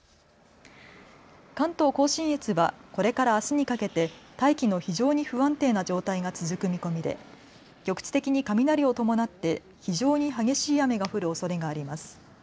関東甲信越はこれからあすにかけて大気の非常に不安定な状態が続く見込みで局地的に雷を伴って非常に激しい雨が降るおそれがあります。